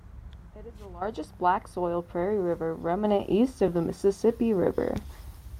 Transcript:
It is the largest black-soil prairie remnant east of the Mississippi River.